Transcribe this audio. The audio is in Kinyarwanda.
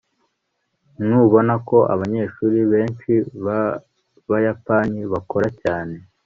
ntubona ko abanyeshuri benshi b'abayapani bakora cyane